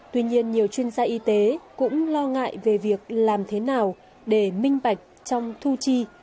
tuy nhiên nhiều chuyên gia y tế cũng lo ngại về việc làm thế nào để minh bạch trong thu chi